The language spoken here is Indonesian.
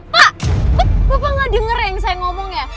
pak bapak gak denger yang saya ngomong ya